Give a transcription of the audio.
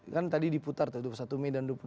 kan tadi diputar dua puluh satu mei dan dua puluh dua